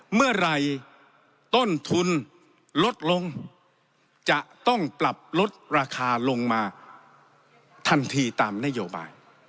เมื่อไหร่ต้นทุนลดลงจะต้องปรับลดราคาลงมาทันทีตามนโยบาย